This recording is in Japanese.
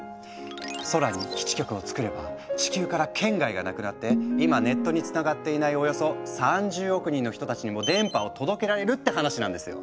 空に基地局をつくれば地球から圏外がなくなって今ネットにつながっていないおよそ３０億人の人たちにも電波を届けられるって話なんですよ。